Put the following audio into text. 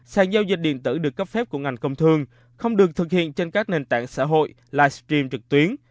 sản giao dịch điện tử được cấp phép của ngành công thương không được thực hiện trên các nền tảng xã hội live stream trực tuyến